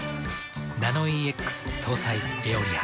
ナノイーＸ搭載「エオリア」。